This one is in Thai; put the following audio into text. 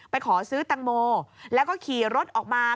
ขอซื้อตังโมแล้วก็ขี่รถออกมา